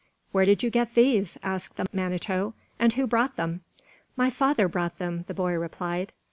"Where did you get these," asked the Manito, "and who brought them?" "My father brought them," the boy replied.